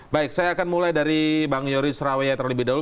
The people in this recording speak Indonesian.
baik saya akan mulai dari bang yoris raweya terlebih dahulu